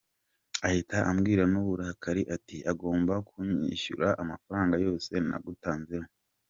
Ahita ambwira n’uburakari ati agomba kunyishyura amafaranga yose nagutanzeho.